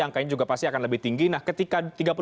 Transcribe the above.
angkanya juga pasti akan lebih tinggi nah ketika